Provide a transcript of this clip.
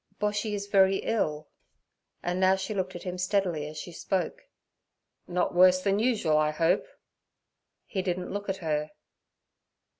'Boshy is very ill;' and now she looked at him steadily as she spoke. 'Not worse than usual, I hope? He didn't look at her.